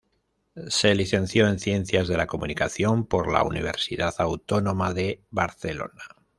Se licenció en Ciencias de la Comunicación por la Universidad Autónoma de Barcelona.